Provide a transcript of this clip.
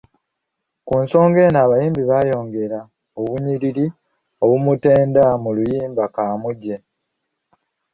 Ku nsonga eno abayimbi baayongera obunnyiriri obumutenda mu luyimba Kaamuje.